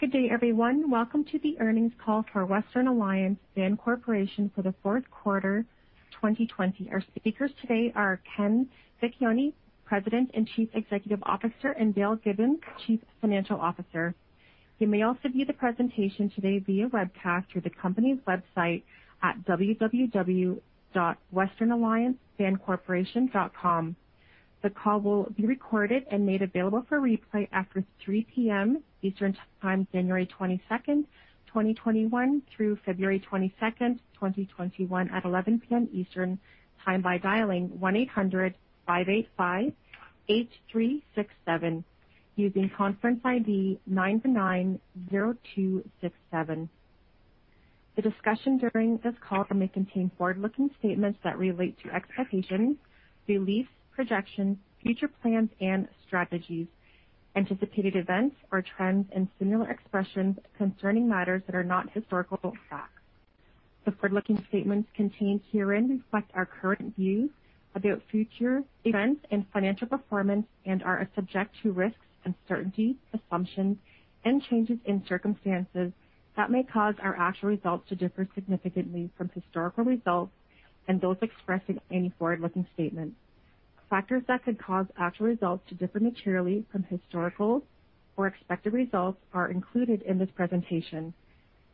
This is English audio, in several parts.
Good day everyone. Welcome to the earnings call for Western Alliance Bancorporation for the fourth quarter 2020. Our speakers today are Ken Vecchione, President and Chief Executive Officer, and Dale Gibbons, Chief Financial Officer. You may also view the presentation today via webcast through the company's website at www.westernalliancebancorporation.com. The call will be recorded and made available for replay after 3:00 P.M. Eastern Time, January 22, 2021 through February 22, 2021 at 11:00 P.M. Eastern Time. The discussion during this call may contain forward-looking statements that relate to expectations, beliefs, projections, future plans and strategies, anticipated events or trends, and similar expressions concerning matters that are not historical facts. The forward-looking statements contained herein reflect our current views about future events and financial performance and are subject to risks, uncertainties, assumptions and changes in circumstances that may cause our actual results to differ significantly from historical results and those expressed in any forward-looking statement. Factors that could cause actual results to differ materially from historical or expected results are included in this presentation,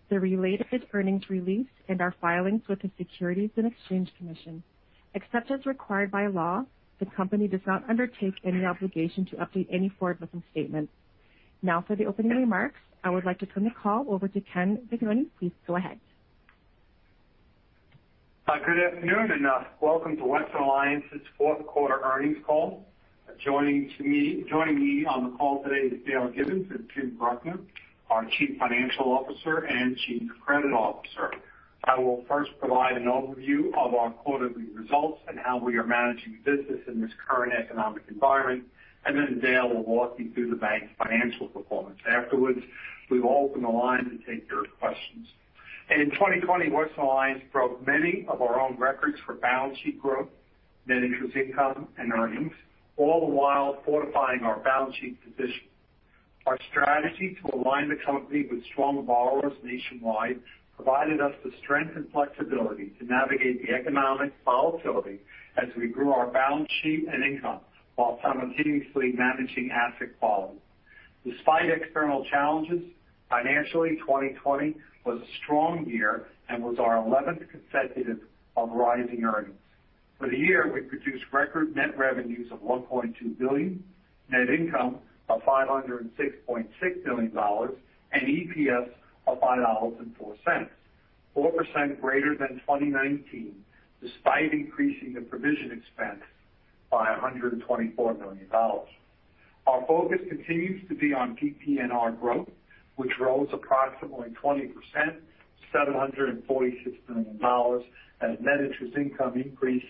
the related earnings release, and our filings with the Securities and Exchange Commission. Except as required by law, the company does not undertake any obligation to update any forward-looking statement. Now for the opening remarks, I would like to turn the call over to Ken Vecchione. Please go ahead. Good afternoon, and welcome to Western Alliance's fourth quarter earnings call. Joining me on the call today is Dale Gibbons and Tim Bruckner, our Chief Financial Officer and Chief Credit Officer. I will first provide an overview of our quarterly results and how we are managing business in this current economic environment, and then Dale will walk you through the bank's financial performance. Afterwards, we will open the line to take your questions. In 2020, Western Alliance broke many of our own records for balance sheet growth, net interest income, and earnings, all the while fortifying our balance sheet position. Our strategy to align the company with strong borrowers nationwide provided us the strength and flexibility to navigate the economic volatility as we grew our balance sheet and income while simultaneously managing asset quality. Despite external challenges, financially, 2020 was a strong year and was our 11th consecutive of rising earnings. For the year, we produced record net revenues of $1.2 billion, net income of $506.6 million, and EPS of $5.04, 4% greater than 2019, despite increasing the provision expense by $124 million. Our focus continues to be on PPNR growth, which rose approximately 20%, $746 million, as net interest income increased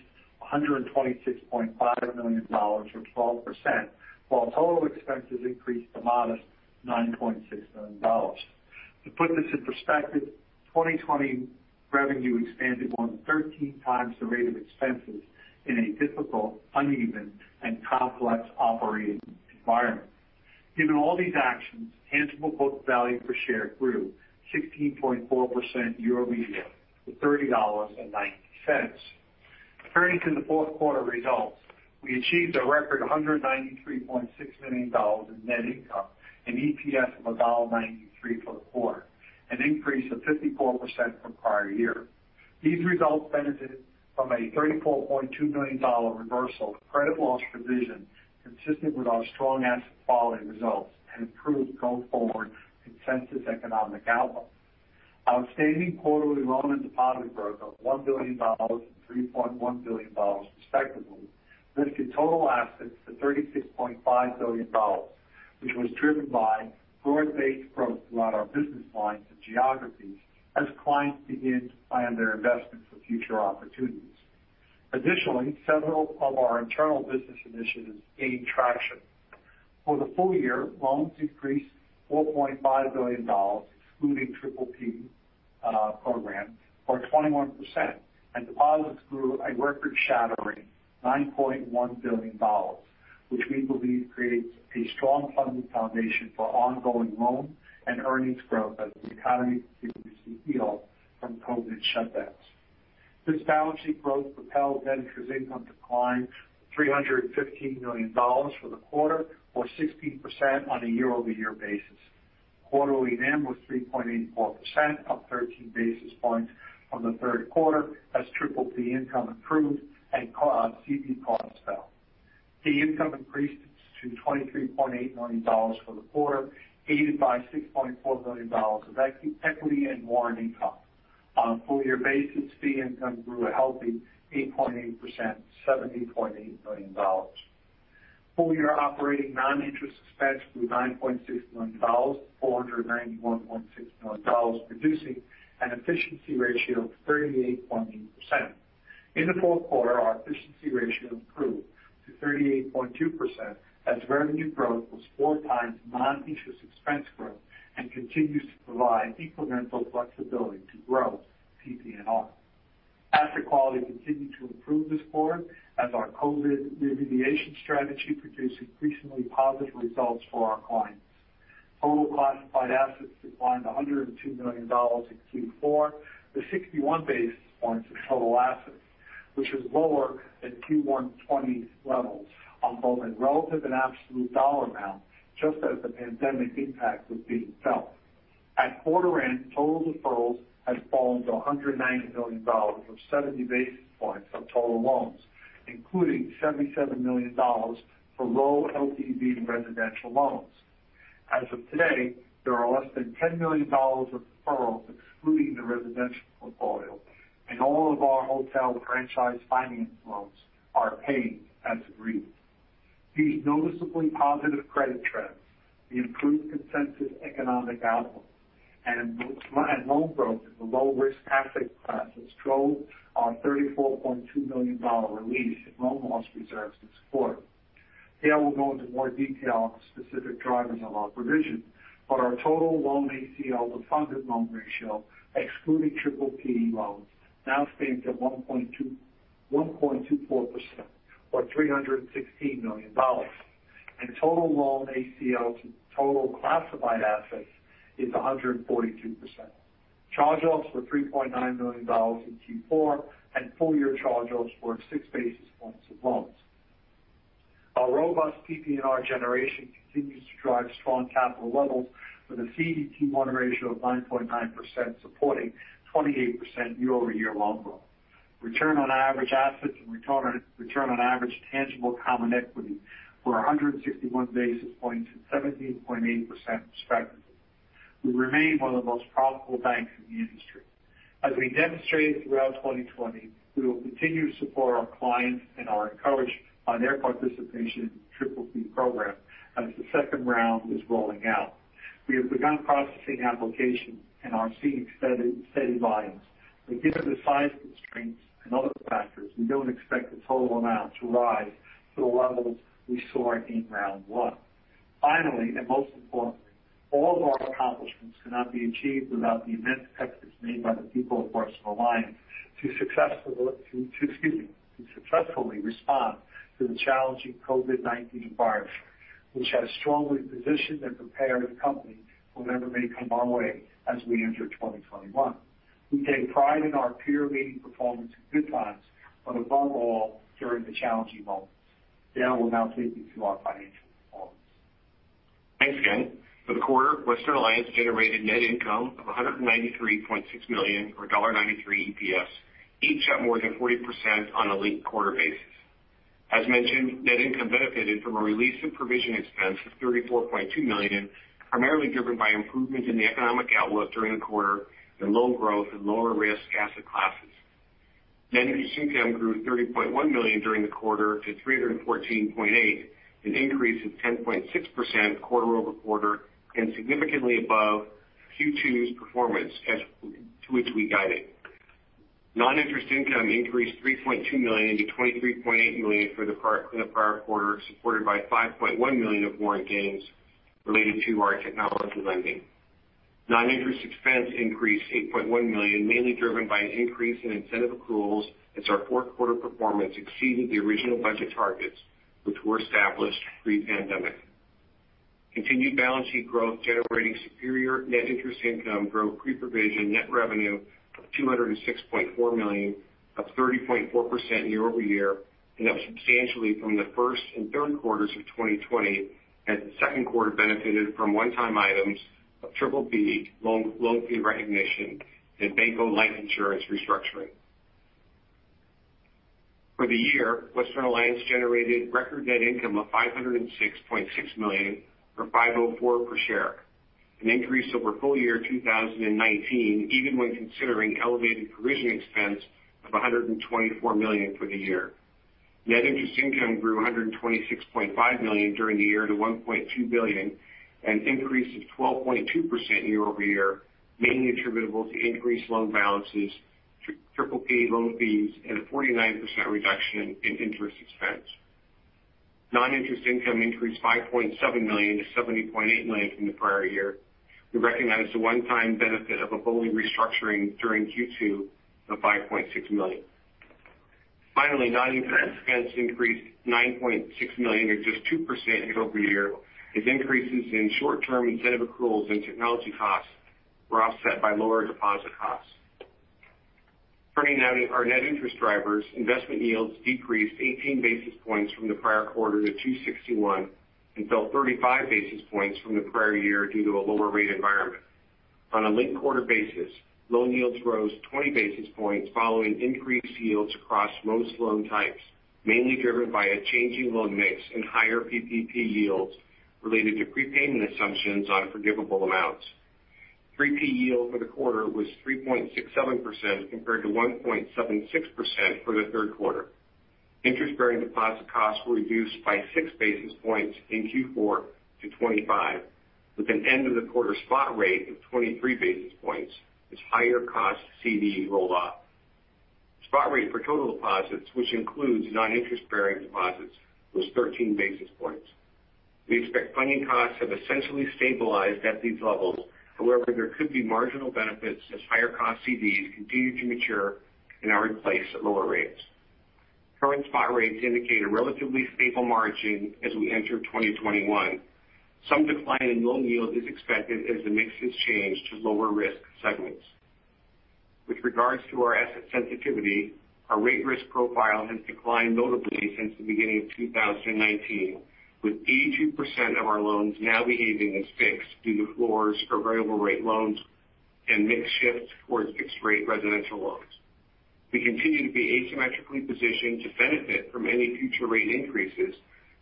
$126.5 million or 12%, while total expenses increased a modest $9.6 million. To put this in perspective, 2020 revenue expanded more than 13 times the rate of expenses in a difficult, uneven, and complex operating environment. Given all these actions, tangible book value per share grew 16.4% year-over-year to $30.90. Turning to the fourth quarter results, we achieved a record $193.6 million in net income and EPS of $1.93 for the quarter, an increase of 54% from prior year. These results benefited from a $34.2 million reversal of credit loss provision consistent with our strong asset quality results and improved go-forward consensus economic outlook. Outstanding quarterly loan and deposit growth of $1 billion and $3.1 billion respectively lifted total assets to $36.5 billion, which was driven by broad-based growth throughout our business lines and geographies as clients begin to plan their investments for future opportunities. Additionally, several of our internal business initiatives gained traction. For the full year, loans increased $4.5 billion excluding PPP program, or 21%, and deposits grew a record-shattering $9.1 billion, which we believe creates a strong funding foundation for ongoing loan and earnings growth as the economy continues to heal from COVID shutdowns. This balance sheet growth propelled net interest income to climb $315 million for the quarter, or 16% on a year-over-year basis. Quarterly NIM was 3.84%, up 13 basis points from the third quarter as PPP income improved and COVID costs fell. Fee income increased to $23.8 million for the quarter, aided by $6.4 million of equity and warrant income. On a full year basis, fee income grew a healthy 8.8%, $70.8 million. Full year operating non-interest expense grew 9.6% to $491.6 million, producing an efficiency ratio of 38.8%. In the fourth quarter, our efficiency ratio improved to 38.2% as revenue growth was four times non-interest expense growth and continues to provide incremental flexibility to grow PPNR. Asset quality continued to improve this quarter as our COVID remediation strategy produced increasingly positive results for our clients. Total classified assets declined to $102 million in Q4, or 61 basis points of total assets, which is lower than Q1 2020 levels on both a relative and absolute dollar amount, just as the pandemic impact was being felt. At quarter end, total deferrals had fallen to $190 million or 70 basis points of total loans, including $77 million for low LTV residential loans. As of today, there are less than $10 million of deferrals excluding the residential portfolio, and all of our hotel franchise finance loans are paid as agreed. These noticeably positive credit trends, the improved consensus economic outlook, and loan growth in the low risk asset classes drove our $34.2 million release in loan loss reserves this quarter. Dale will go into more detail on the specific drivers of our provision, but our total loan ACL to funded loan ratio, excluding PPP loans, now stands at 1.24%, or $316 million. Total loan ACL to total classified assets is 142%. Charge-offs were $3.9 million in Q4, and full-year charge-offs were six basis points of loans. Our robust PPNR generation continues to drive strong capital levels with a CET1 ratio of 9.9%, supporting 28% year-over-year loan growth. Return on average assets and return on average tangible common equity were 161 basis points and 17.8%, respectively. We remain one of the most profitable banks in the industry. As we demonstrated throughout 2020, we will continue to support our clients and are encouraged by their participation in the PPP program as the second round is rolling out. We have begun processing applications and are seeing steady volumes. Given the size constraints and other factors, we don't expect the total amount to rise to the levels we saw in round one. Finally, and most importantly, all of our accomplishments could not be achieved without the immense efforts made by the people of Western Alliance to successfully respond to the challenging COVID-19 environment, which has strongly positioned and prepared the company for whatever may come our way as we enter 2021. We take pride in our peer-leading performance in good times, but above all, during the challenging moments. Dale will now take you through our financial performance. Thanks again. For the quarter, Western Alliance generated net income of $193.6 million, or $1.93 EPS, each up more than 40% on a linked quarter basis. As mentioned, net income benefited from a release in provision expense of $34.2 million, primarily driven by improvements in the economic outlook during the quarter and loan growth in lower risk asset classes. Net interest income grew $30.1 million during the quarter to $314.8, an increase of 10.6% quarter-over-quarter. Significantly above Q2's performance as to which we guided. Non-interest income increased $3.2 million-$23.8 million for the prior quarter, supported by $5.1 million of warrant gains related to our technology lending. Non-interest expense increased $8.1 million, mainly driven by an increase in incentive accruals as our fourth quarter performance exceeded the original budget targets, which were established pre-pandemic. Continued balance sheet growth generating superior net interest income growth, Pre-Provision Net Revenue of $206.4 million, up 30.4% year-over-year, and up substantially from the first and third quarters of 2020 as the second quarter benefited from one-time items of PPP loan fee recognition and BOLI life insurance restructuring. For the year, Western Alliance generated record net income of $506.6 million, or $5.04 per share, an increase over full year 2019, even when considering elevated provision expense of $124 million for the year. Net interest income grew $126.5 million during the year to $1.2 billion, an increase of 12.2% year-over-year, mainly attributable to increased loan balances, PPP loan fees, and a 49% reduction in interest expense. Non-interest income increased $5.7 million to $70.8 million from the prior year. We recognized the one-time benefit of a BOLI restructuring during Q2 of $5.6 million. Finally, non-interest expense increased $9.6 million, or just 2% year-over-year, as increases in short-term incentive accruals and technology costs were offset by lower deposit costs. Turning now to our net interest drivers. Investment yields decreased 18 basis points from the prior quarter to 261 and fell 35 basis points from the prior year due to a lower rate environment. On a linked quarter basis, loan yields rose 20 basis points following increased yields across most loan types, mainly driven by a changing loan mix and higher PPP yields related to prepayment assumptions on forgivable amounts. PPP yield for the quarter was 3.67%, compared to 1.76% for the third quarter. Interest-bearing deposit costs were reduced by six basis points in Q4 to 25, with an end of the quarter spot rate of 23 basis points as higher cost CDs rolled off. Spot rate for total deposits, which includes non-interest-bearing deposits, was 13 basis points. We expect funding costs have essentially stabilized at these levels. However, there could be marginal benefits as higher cost CDs continue to mature and are replaced at lower rates. Current spot rates indicate a relatively stable margin as we enter 2021. Some decline in loan yield is expected as the mix is changed to lower risk segments. With regards to our asset sensitivity, our rate risk profile has declined notably since the beginning of 2019, with 82% of our loans now behaving as fixed due to floors for variable rate loans and mix shift towards fixed rate residential loans. We continue to be asymmetrically positioned to benefit from any future rate increases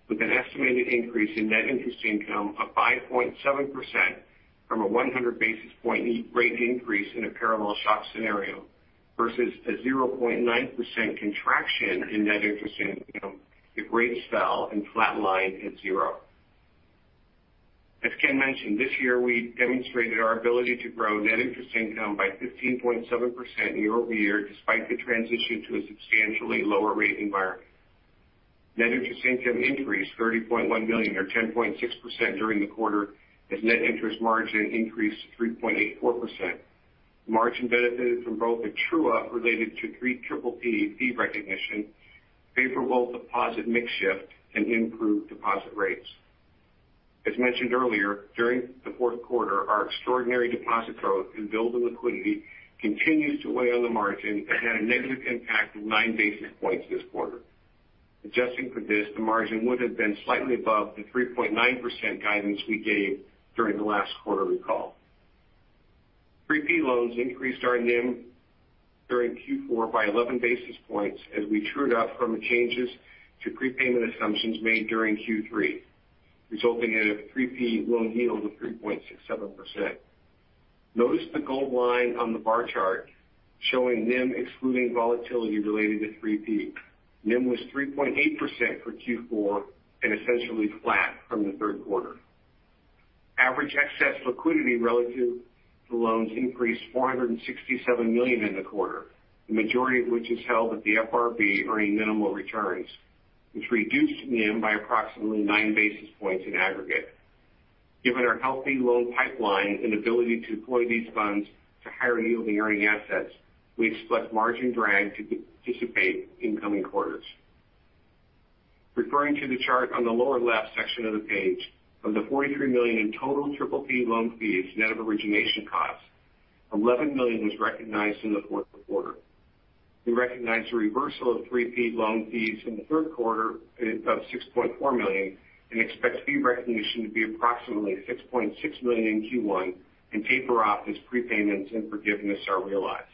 with an estimated increase in net interest income of 5.7% from a 100 basis point rate increase in a parallel shock scenario, versus a 0.9% contraction in net interest income if rates fell and flat lined at zero. As Ken mentioned, this year we demonstrated our ability to grow net interest income by 15.7% year-over-year despite the transition to a substantially lower rate environment. Net interest income increased $30.1 million or 10.6% during the quarter as net interest margin increased 3.84%. Margin benefited from both a true-up related to three PPP fee recognition, favorable deposit mix shift, and improved deposit rates. As mentioned earlier, during the fourth quarter, our extraordinary deposit growth and build of liquidity continues to weigh on the margin and had a negative impact of nine basis points this quarter. Adjusting for this, the margin would have been slightly above the 3.9% guidance we gave during the last quarterly call. 3P loans increased our NIM during Q4 by 11 basis points as we trued up from the changes to prepayment assumptions made during Q3, resulting in a 3P loan yield of 3.67%. Notice the gold line on the bar chart showing NIM excluding volatility related to 3P. NIM was 3.8% for Q4 and essentially flat from the third quarter. Average excess liquidity relative to loans increased $467 million in the quarter, the majority of which is held at the FRB earning minimal returns, which reduced NIM by approximately nine basis points in aggregate. Given our healthy loan pipeline and ability to deploy these funds to higher yielding earning assets, we expect margin drag to dissipate in coming quarters. Referring to the chart on the lower left section of the page, of the $43 million in total PPP loan fees net of origination costs, $11 million was recognized in the fourth quarter. We recognized a reversal of 3P loan fees in the third quarter of $6.4 million and expect fee recognition to be approximately $6.6 million in Q1 and taper off as prepayments and forgiveness are realized.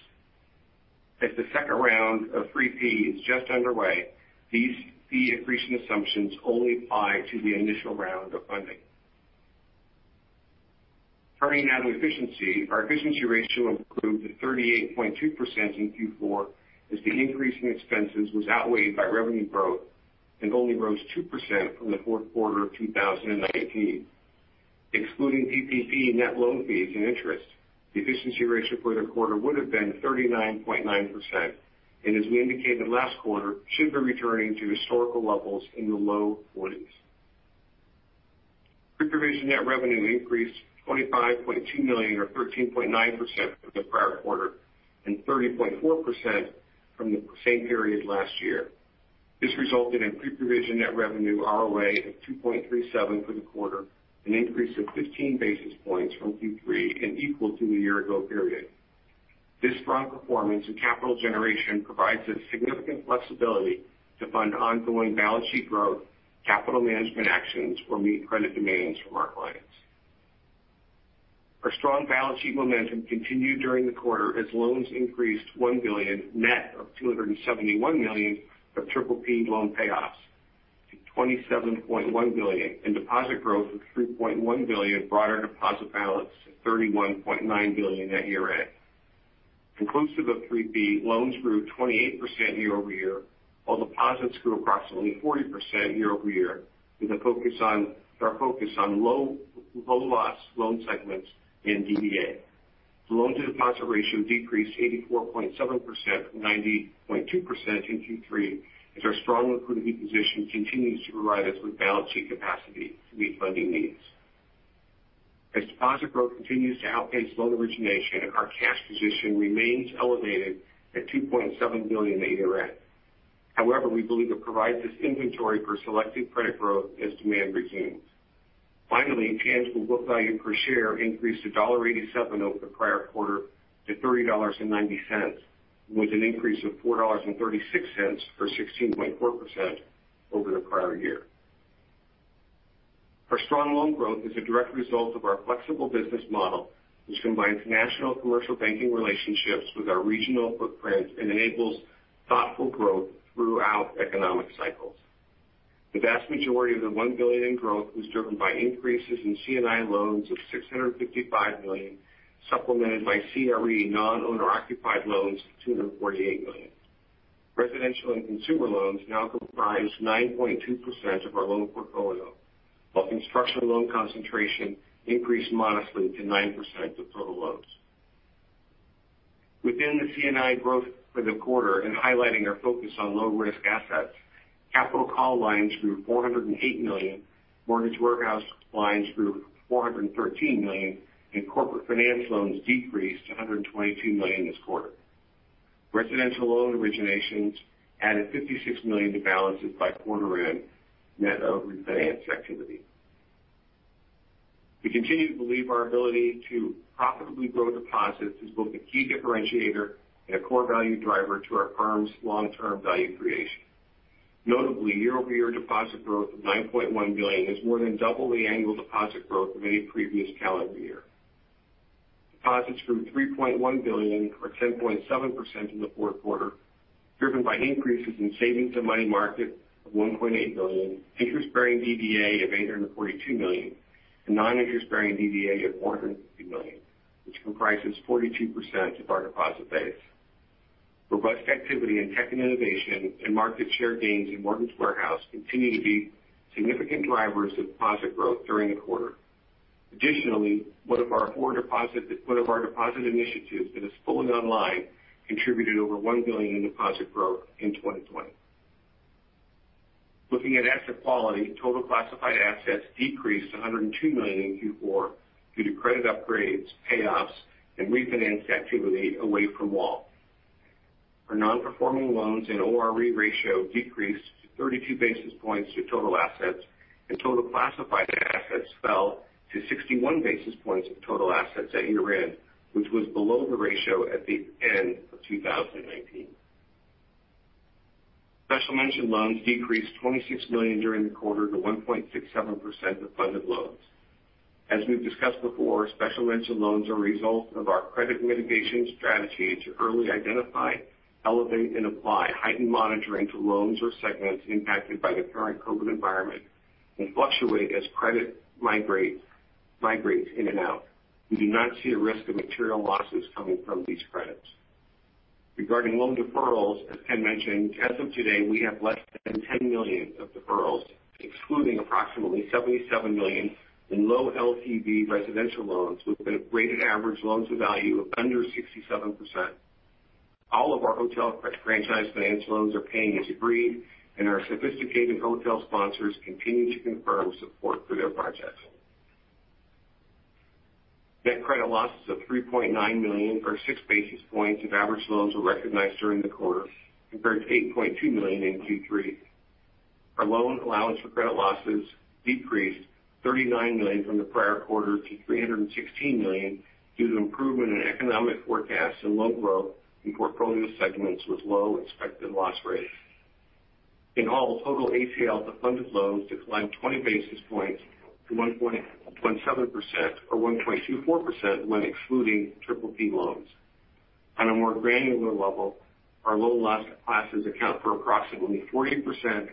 The second round of 3P is just underway, these fee accretion assumptions only apply to the initial round of funding. Turning now to efficiency. Our efficiency ratio improved to 38.2% in Q4 as the increase in expenses was outweighed by revenue growth and only rose 2% from the fourth quarter of 2019. Excluding PPP net loan fees and interest, the efficiency ratio for the quarter would've been 39.9%, and as we indicated last quarter, should be returning to historical levels in the low 40s. Pre-Provision Net Revenue increased $25.2 million or 13.9% from the prior quarter and 30.4% from the same period last year. This resulted in Pre-Provision Net Revenue ROA of 2.37 for the quarter, an increase of 15 basis points from Q3 and equal to the year ago period. This strong performance in capital generation provides us significant flexibility to fund ongoing balance sheet growth, capital management actions, or meet credit demands from our clients. Our strong balance sheet momentum continued during the quarter as loans increased $1 billion, net of $271 million of PPP loan payoffs to $27.1 billion and deposit growth of $3.1 billion brought our deposit balance to $31.9 billion at year-end. Inclusive of 3P, loans grew 28% year-over-year, while deposits grew approximately 40% year-over-year with our focus on low loss loan segments and DDA. The loan-to-deposit ratio decreased 84.7% from 90.2% in Q3 as our strong liquidity position continues to provide us with balance sheet capacity to meet funding needs. As deposit growth continues to outpace loan origination, our cash position remains elevated at $2.7 billion at year-end. We believe it provides us inventory for selective credit growth as demand resumes. Tangible book value per share increased to $1.87 over the prior quarter to $30.90, with an increase of $4.36 or 16.4% over the prior year. Our strong loan growth is a direct result of our flexible business model, which combines national commercial banking relationships with our regional footprint and enables thoughtful growth throughout economic cycles. The vast majority of the $1 billion in growth was driven by increases in C&I loans of $655 million, supplemented by CRE non-owner occupied loans of $248 million. Residential and consumer loans now comprise 9.2% of our loan portfolio, while construction loan concentration increased modestly to 9% of total loans. Within the C&I growth for the quarter and highlighting our focus on low-risk assets, capital call lines grew to $408 million, mortgage warehouse lines grew to $413 million, and corporate finance loans decreased to $122 million this quarter. Residential loan originations added $56 million to balances by quarter end, net of refinance activity. We continue to believe our ability to profitably grow deposits is both a key differentiator and a core value driver to our firm's long-term value creation. Notably, year-over-year deposit growth of $9.1 billion is more than double the annual deposit growth of any previous calendar year. Deposits grew $3.1 billion or 10.7% in the fourth quarter, driven by increases in savings and money market of $1.8 billion, interest-bearing DDA of $842 million, and non-interest bearing DDA of $450 million, which comprises 42% of our deposit base. Robust activity in tech and innovation and market share gains in mortgage warehouse continue to be significant drivers of deposit growth during the quarter. One of our deposit initiatives that is fully online contributed over $1 billion in deposit growth in 2020. Looking at asset quality, total classified assets decreased to $102 million in Q4 due to credit upgrades, payoffs, and refinance activity away from WAL. Our non-performing loans and ORE ratio decreased 32 basis points to total assets, and total classified assets fell to 61 basis points of total assets at year-end, which was below the ratio at the end of 2019. Special mention loans decreased $26 million during the quarter to 1.67% of funded loans. As we've discussed before, special mention loans are a result of our credit mitigation strategy to early identify, elevate, and apply heightened monitoring to loans or segments impacted by the current COVID environment and fluctuate as credit migrates in and out. We do not see a risk of material losses coming from these credits. Regarding loan deferrals, as Ken mentioned, as of today, we have less than $10 million of deferrals, excluding approximately $77 million in low LTV residential loans with a weighted average loans to value of under 67%. All of our hotel franchise finance loans are paying as agreed, and our sophisticated hotel sponsors continue to confirm support for their projects. Net credit losses of $3.9 million or six basis points of average loans were recognized during the quarter, compared to $8.2 million in Q3. Our loan allowance for credit losses decreased $39 million from the prior quarter to $316 million due to improvement in economic forecasts and loan growth in portfolio segments with low expected loss rates. In all, total ACL for funded loans declined 20 basis points to 1.7%, or 1.24% when excluding PPP loans. On a more granular level, our low loss classes account for approximately 40%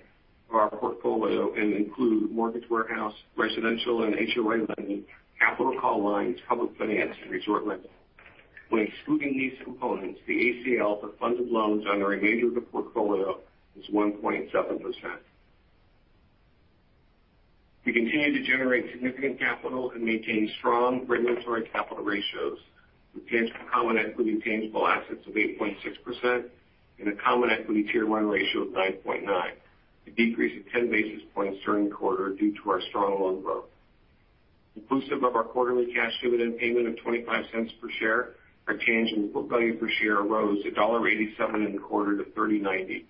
of our portfolio and include mortgage warehouse, residential and HOA lending, capital call lines, public finance, and resort lending. When excluding these components, the ACL for funded loans under a major of the portfolio is 1.7%. We continue to generate significant capital and maintain strong regulatory capital ratios with tangible common equity tangible assets of 8.6% and a common equity Tier 1 ratio of 9.9%, a decrease of 10 basis points during the quarter due to our strong loan growth. Inclusive of our quarterly cash dividend payment of $0.25 per share, our change in book value per share rose $1.87 in the quarter to $30.90,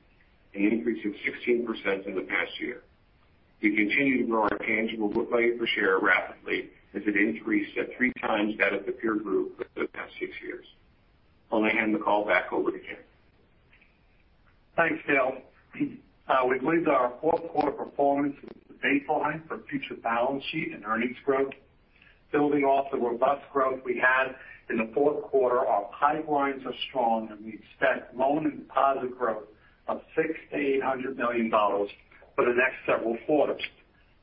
an increase of 16% in the past year. We continue to grow our tangible book value per share rapidly as it increased at three times that of the peer group for the past six years. I'll now hand the call back over to Ken. Thanks, Dale. We believe that our fourth quarter performance is the baseline for future balance sheet and earnings growth. Building off the robust growth we had in the fourth quarter, our pipelines are strong, and we expect loan and deposit growth of $600 million-$800 million for the next several quarters.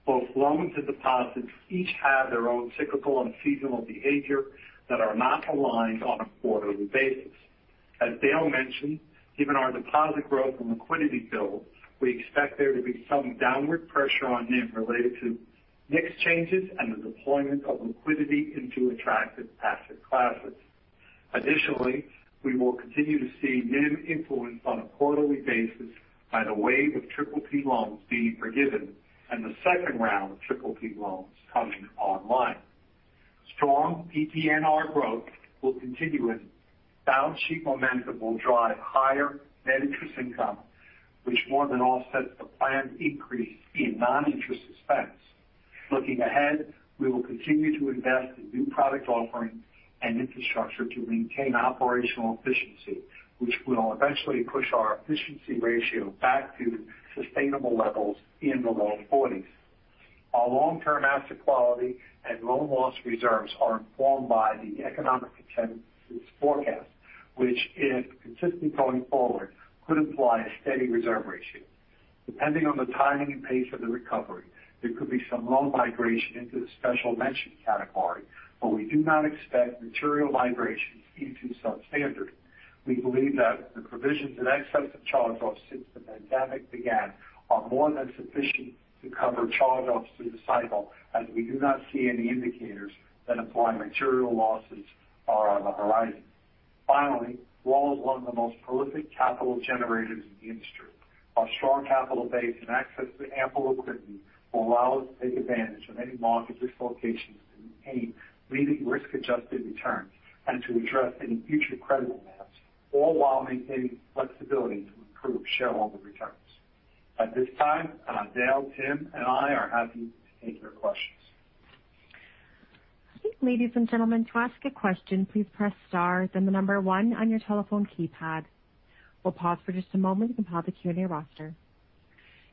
Both loans and deposits each have their own cyclical and seasonal behavior that are not aligned on a quarterly basis. As Dale mentioned, given our deposit growth and liquidity build, we expect there to be some downward pressure on NIM related to mix changes and the deployment of liquidity into attractive asset classes. We will continue to see NIM influence on a quarterly basis by the wave of PPP loans being forgiven and the second round of PPP loans coming online. Strong PPNR growth will continue, and balance sheet momentum will drive higher net interest income, which more than offsets the planned increase in non-interest expense. Looking ahead, we will continue to invest in new product offerings and infrastructure to maintain operational efficiency, which will eventually push our efficiency ratio back to sustainable levels in the low 40s. Our long-term asset quality and loan loss reserves are informed by the economic consensus forecast, which, if consistent going forward, could imply a steady reserve ratio. Depending on the timing and pace of the recovery, there could be some loan migration into the special mention category, but we do not expect material migration into substandard. We believe that the provisions in excess of charge-offs since the pandemic began are more than sufficient to cover charge-offs through the cycle, as we do not see any indicators that imply material losses are on the horizon. Finally, WAL is one of the most prolific capital generators in the industry. Our strong capital base and access to ample liquidity will allow us to take advantage of any market dislocations and maintain leading risk-adjusted returns and to address any future credit events, all while maintaining flexibility to improve shareholder returns. At this time, Dale, Tim, and I are happy to take your questions. Ladies and gentlemen, to ask a question, please press star then the number one on your telephone keypad. We'll pause for just a moment to compile the Q&A roster.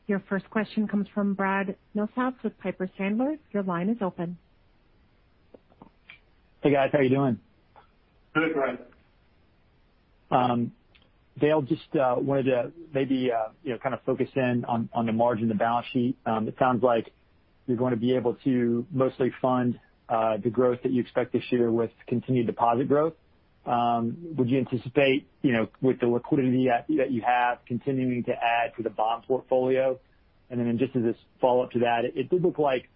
Your first question comes from Brad Milsaps with Piper Sandler. Your line is open. Hey, guys. How are you doing? Good, Brad. Dale, just wanted to maybe focus in on the margin, the balance sheet. It sounds like you're going to be able to mostly fund the growth that you expect this year with continued deposit growth. Would you anticipate, with the liquidity that you have, continuing to add to the bond portfolio? Then just as a follow-up to that, it did look like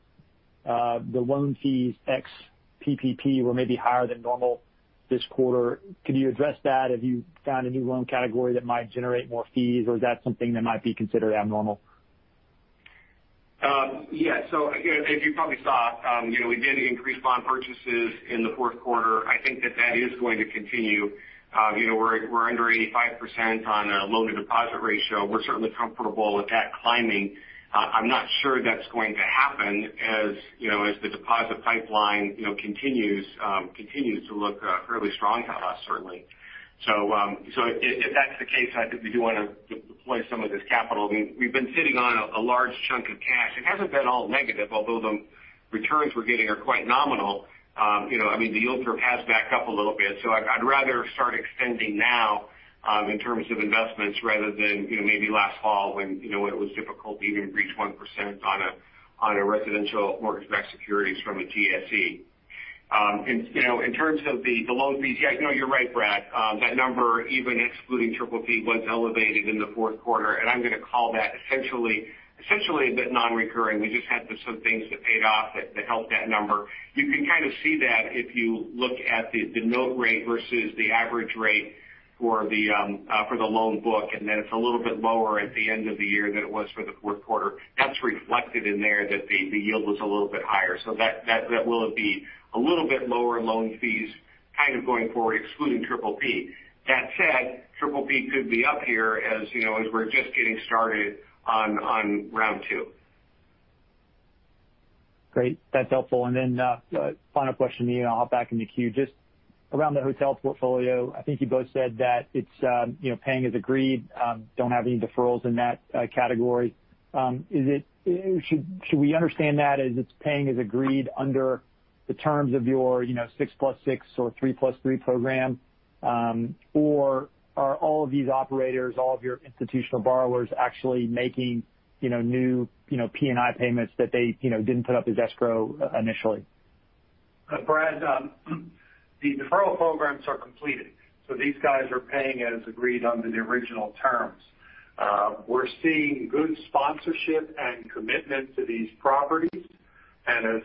the loan fees ex PPP were maybe higher than normal this quarter. Could you address that? Have you found a new loan category that might generate more fees, or is that something that might be considered abnormal? Yeah. Again, as you probably saw, we did increase bond purchases in the fourth quarter. I think that that is going to continue. We're under 85% on a loan-to-deposit ratio. We're certainly comfortable with that climbing. I'm not sure that's going to happen as the deposit pipeline continues to look fairly strong to us, certainly. If that's the case, I think we do want to deploy some of this capital. We've been sitting on a large chunk of cash. It hasn't been all negative, although the returns we're getting are quite nominal. I mean, the yield curve has backed up a little bit, I'd rather start extending now in terms of investments rather than maybe last fall when it was difficult to even reach 1% on a residential mortgage-backed security from a GSE. In terms of the loan fees, yeah, you're right, Brad. That number, even excluding PPP, was elevated in the fourth quarter, and I'm going to call that essentially a bit non-recurring. We just had some things that paid off that helped that number. You can kind of see that if you look at the note rate versus the average rate for the loan book, and then it's a little bit lower at the end of the year than it was for the fourth quarter. That's reflected in there that the yield was a little bit higher. That will be a little bit lower loan fees kind of going forward, excluding PPP. That said, PPP could be up here as we're just getting started on round two. Great. That's helpful. Final question to you, and I'll hop back in the queue. Just around the hotel portfolio, I think you both said that it's paying as agreed, don't have any deferrals in that category. Should we understand that as it's paying as agreed under the terms of your 6+6 or 3+3 Program? Are all of these operators, all of your institutional borrowers, actually making new P&I payments that they didn't put up as escrow initially? Brad, the deferral programs are completed. These guys are paying as agreed under the original terms. We're seeing good sponsorship and commitment to these properties. As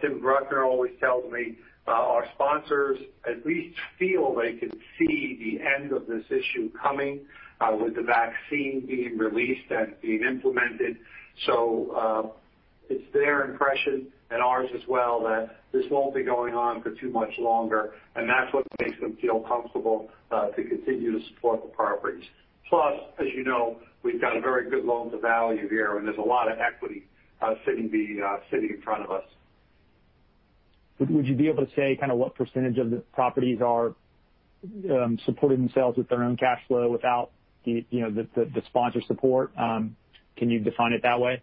Tim Bruckner always tells me, our sponsors at least feel they can see the end of this issue coming with the vaccine being released and being implemented. It's their impression, and ours as well, that this won't be going on for too much longer, and that's what makes them feel comfortable to continue to support the properties. Plus, as you know, we've got a very good loan-to-value here, and there's a lot of equity sitting in front of us. Would you be able to say kind of what % of the properties are supporting themselves with their own cash flow without the sponsor support? Can you define it that way?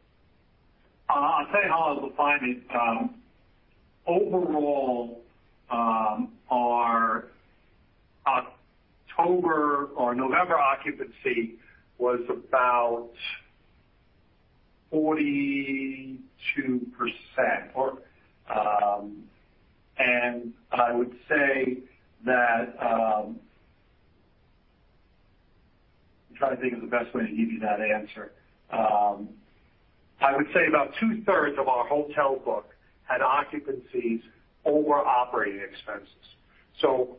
I'll tell you how I would define it. Overall, our October or November occupancy was about 42%. I would say I'm trying to think of the best way to give you that answer. I would say about two-thirds of our hotel book had occupancies over operating expenses.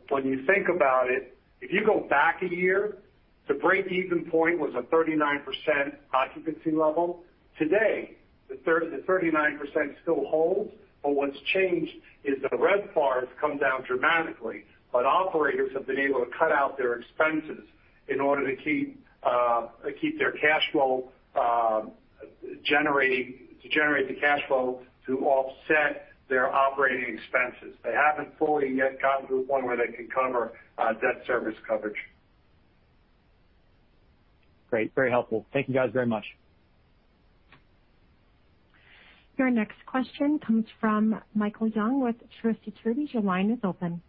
When you think about it, if you go back a year, the break-even point was a 39% occupancy level. Today, the 39% still holds, what's changed is the red bars come down dramatically. Operators have been able to cut out their expenses in order to generate the cash flow to offset their operating expenses. They haven't fully yet gotten to the point where they can cover debt service coverage. Great. Very helpful. Thank you guys very much. Your next question comes from Michael Young with Truist Securities. Your line is open.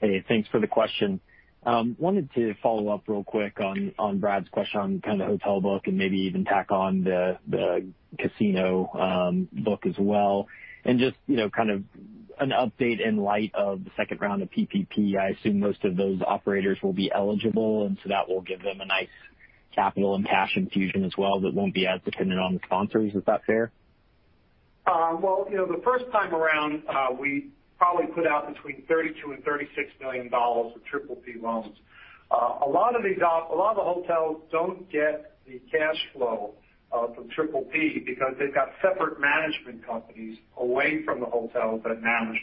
Hey, thanks for the question. Wanted to follow up real quick on Brad's question on kind of hotel book and maybe even tack on the casino book as well and just kind of an update in light of the second round of PPP. I assume most of those operators will be eligible, and so that will give them a nice capital and cash infusion as well that won't be as dependent on the sponsors. Is that fair? The first time around, we probably put out between $32 million and $36 million of PPP loans. A lot of the hotels don't get the cash flow from PPP because they've got separate management companies away from the hotels that manage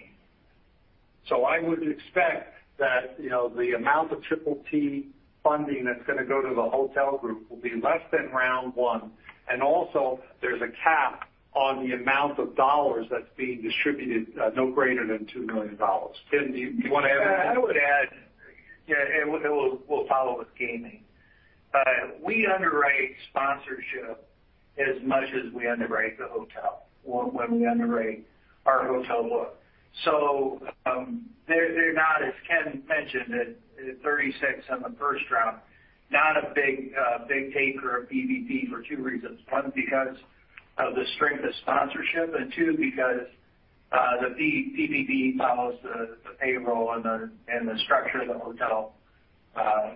them. I would expect that the amount of PPP funding that's going to go to the hotel group will be less than round one. Also, there's a cap on the amount of dollars that's being distributed, no greater than $2 million. Tim, do you want to add anything? I would add, we'll follow with gaming. We underwrite sponsorship as much as we underwrite the hotel or when we underwrite our hotel book. They're not, as Ken mentioned, at 36 on the first round, not a big taker of PPP for two reasons. One, because of the strength of sponsorship, two, because the PPP follows the payroll and the structure of the hotel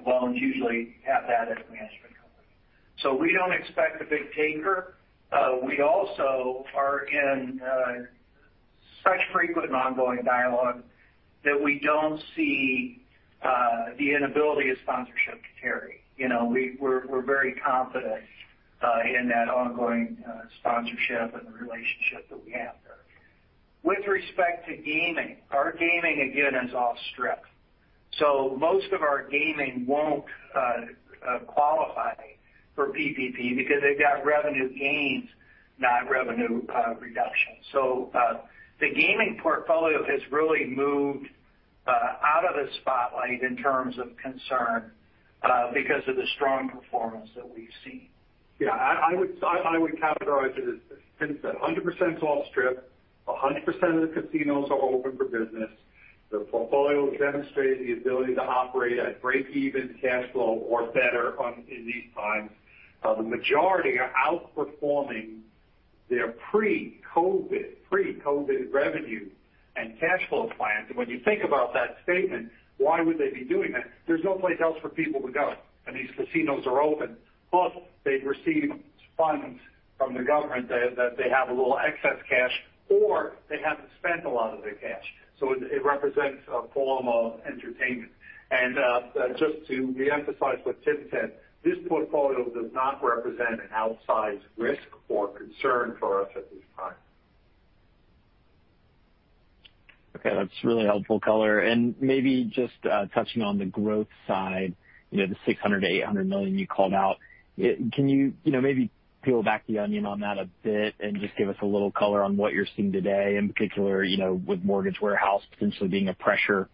loans usually have that as a management company. We don't expect a big taker. We also are in such frequent and ongoing dialogue that we don't see the inability of sponsorship to carry. We're very confident in that ongoing sponsorship and the relationship that we have there. With respect to gaming, our gaming, again, is off-strip. Most of our gaming won't qualify for PPP because they've got revenue gains, not revenue reduction. The gaming portfolio has really moved out of the spotlight in terms of concern because of the strong performance that we've seen. Yeah. I would categorize it as since 100% is off-strip, 100% of the casinos are open for business. The portfolio has demonstrated the ability to operate at break-even cash flow or better in these times. The majority are outperforming their pre-COVID revenue and cash flow plans. When you think about that statement, why would they be doing that? There's no place else for people to go, and these casinos are open. Plus, they've received funds from the government that they have a little excess cash, or they haven't spent a lot of their cash. It represents a form of entertainment. Just to reemphasize what Tim said, this portfolio does not represent an outsized risk or concern for us at this time. Okay. That's really helpful color. Maybe just touching on the growth side, the $600 million-$800 million you called out. Can you maybe peel back the onion on that a bit and just give us a little color on what you're seeing today, in particular with mortgage warehouse potentially being a pressure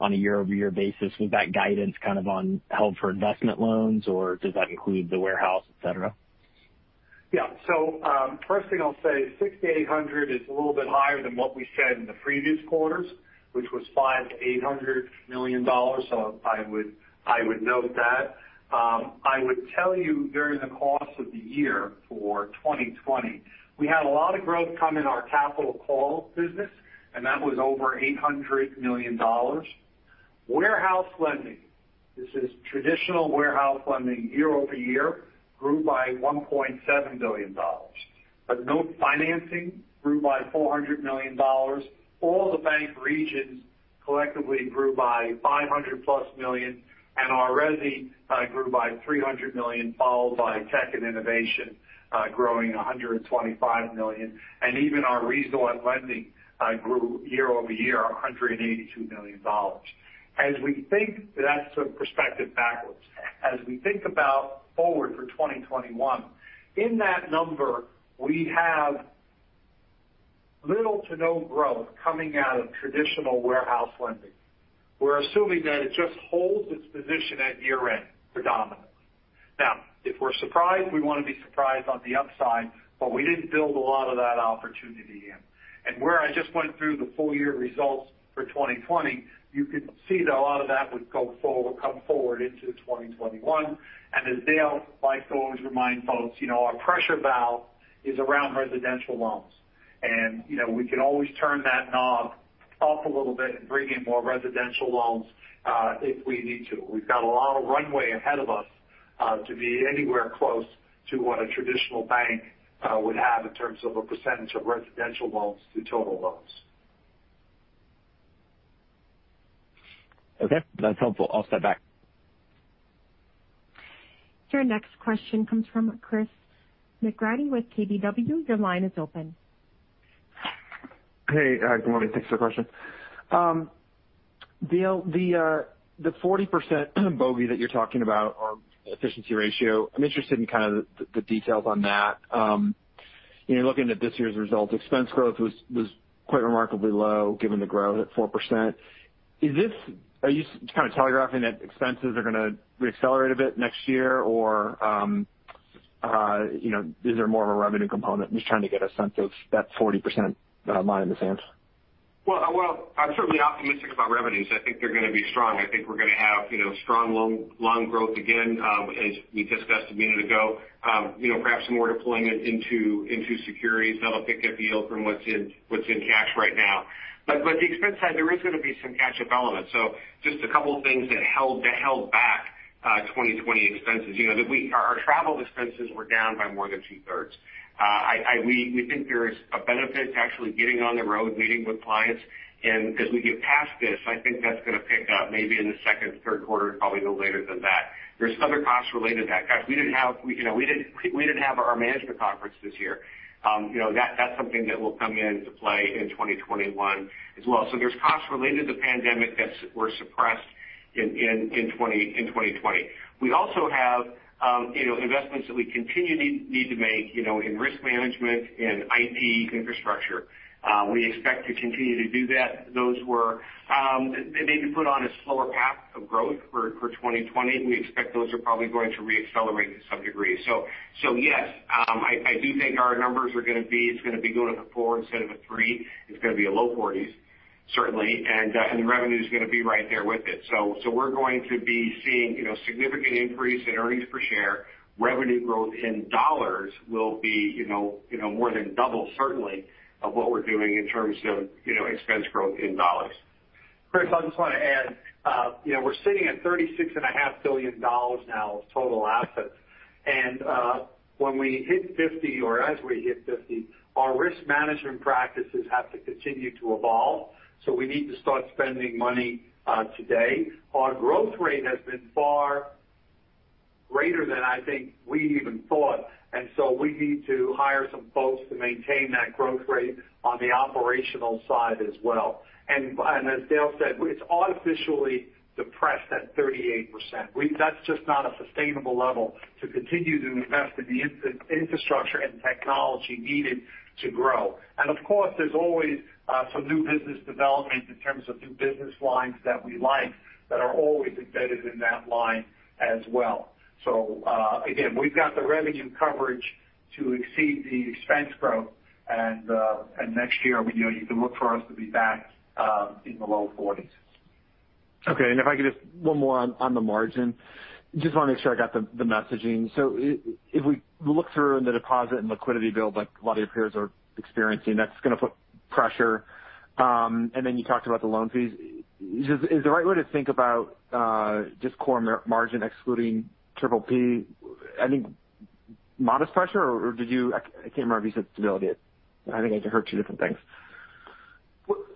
on a year-over-year basis with that guidance kind of on held for investment loans or does that include the warehouse, et cetera? First thing I'll say, $6,800 is a little bit higher than what we said in the previous quarters, which was $5 million-$800 million. I would note that. I would tell you during the course of the year for 2020, we had a lot of growth come in our capital call business, and that was over $800 million. Warehouse lending, this is traditional warehouse lending year-over-year grew by $1.7 billion. Note financing grew by $400 million. All the bank regions collectively grew by $500+ million, and our resi grew by $300 million, followed by tech and innovation growing $125 million. Even our resort lending grew year-over-year $182 million. That's a perspective backwards. As we think about forward for 2021, in that number, we have little to no growth coming out of traditional warehouse lending. We're assuming that it just holds its position at year-end predominantly. If we're surprised, we want to be surprised on the upside, but we didn't build a lot of that opportunity in. Where I just went through the full-year results for 2020, you could see that a lot of that would come forward into 2021. As Dale likes to always remind folks, our pressure valve is around residential loans. We can always turn that knob up a little bit and bring in more residential loans if we need to. We've got a lot of runway ahead of us to be anywhere close to what a traditional bank would have in terms of a percentage of residential loans to total loans. Okay. That's helpful. I'll step back. Your next question comes from Chris McGratty with KBW. Your line is open. Hey, good morning. Thanks for the question. Dale, the 40% BOPI that you're talking about or efficiency ratio, I'm interested in kind of the details on that. Looking at this year's results, expense growth was quite remarkably low given the growth at 4%. Are you just kind of telegraphing that expenses are going to re-accelerate a bit next year? Is there more of a revenue component? I'm just trying to get a sense of that 40% line in the sand. Well, I'm certainly optimistic about revenues. I think they're going to be strong. I think we're going to have strong loan growth again as we discussed a minute ago. Perhaps more deployment into securities. That'll pick up the yield from what's in cash right now. The expense side, there is going to be some catch-up element. Just a couple of things that held back 2020 expenses. Our travel expenses were down by more than two-thirds. We think there's a benefit to actually getting on the road, meeting with clients. As we get past this, I think that's going to pick up maybe in the second, third quarter, probably no later than that. There's other costs related to that. Gosh, we didn't have our management conference this year. That's something that will come into play in 2021 as well. There's costs related to the pandemic that were suppressed in 2020. We also have investments that we continue to need to make in risk management, in IT infrastructure. We expect to continue to do that. Those were maybe put on a slower path of growth for 2020. We expect those are probably going to re-accelerate to some degree. Yes, I do think our numbers, it's going to be going to the four instead of a three. It's going to be a low forties, certainly. The revenue's going to be right there with it. We're going to be seeing significant increase in earnings per share. Revenue growth in dollars will be more than double, certainly, of what we're doing in terms of expense growth in dollars. Chris, I just want to add, we're sitting at $36.5 billion now of total assets. When we hit 50, or as we hit 50, our risk management practices have to continue to evolve. We need to start spending money today. Our growth rate has been far greater than I think we even thought. We need to hire some folks to maintain that growth rate on the operational side as well. As Dale said, it's artificially depressed at 38%. That's just not a sustainable level to continue to invest in the infrastructure and technology needed to grow. Of course, there's always some new business development in terms of new business lines that we like that are always embedded in that line as well. Again, we've got the revenue coverage to exceed the expense growth and next year you can look for us to be back in the low forties. Okay, if I could just one more on the margin. Just want to make sure I got the messaging. If we look through the deposit and liquidity build like a lot of your peers are experiencing, that's going to put pressure. Then you talked about the loan fees. Is the right way to think about just core margin excluding PPP, I mean, modest pressure? Did you say stability? I think I heard two different things.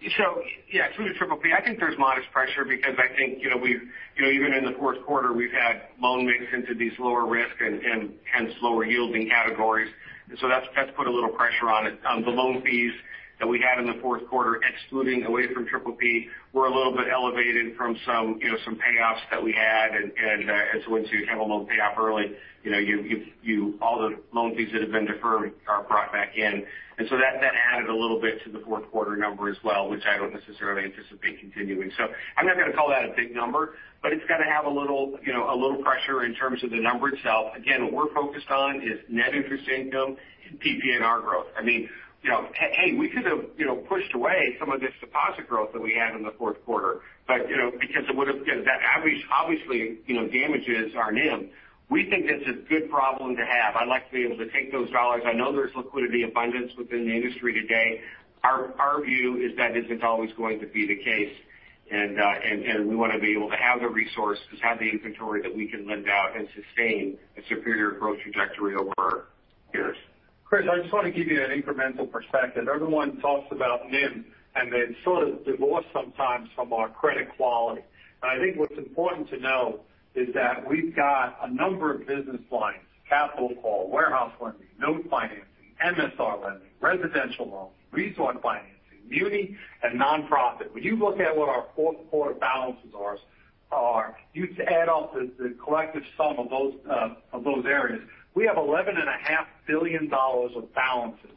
Excluding PPP, I think there's modest pressure because I think even in the fourth quarter, we've had loan mix into these lower risk and slower yielding categories. That's put a little pressure on it. The loan fees that we had in the fourth quarter, excluding away from PPP, were a little bit elevated from some payoffs that we had. Once you have a loan pay off early, all the loan fees that have been deferred are brought back in. That added a little bit to the fourth quarter number as well, which I don't necessarily anticipate continuing. I'm not going to call that a big number, but it's going to have a little pressure in terms of the number itself. Again, what we're focused on is net interest income and PPNR growth. Hey, we could have pushed away some of this deposit growth that we had in the fourth quarter because that average, obviously, damages our NIM. We think that's a good problem to have. I like to be able to take those dollars. I know there's liquidity abundance within the industry today. Our view is that isn't always going to be the case. We want to be able to have the resources, have the inventory that we can lend out and sustain a superior growth trajectory over years. Chris, I just want to give you an incremental perspective. Everyone talks about NIM and they've sort of divorced sometimes from our credit quality. I think what's important to know is that we've got a number of business lines, capital call, warehouse lending, note financing, MSR lending, residential loans, resort financing, muni, and nonprofit. When you look at what our fourth quarter balances are, you add up the collective sum of those areas. We have $11.5 billion of balances